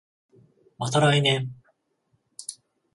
また来年